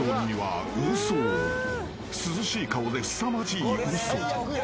［涼しい顔ですさまじい嘘］